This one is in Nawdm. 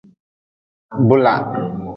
Bula.